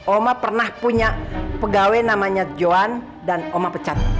oma pernah punya pegawai namanya johan dan oma pecat